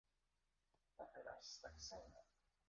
θα περάσει στα ξένα